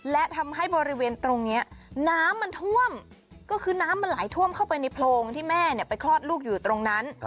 และทำให้บริเวณตรงนี้น้ำมันท่วมก็คือน้ำมันไหลท่วมเข้าไปในโพรงที่แม่ไปคลอดลูกอยู่ตรงนั้น